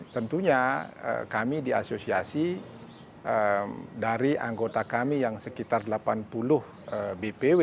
tentunya kami di asosiasi dari anggota kami yang sekitar delapan puluh bpw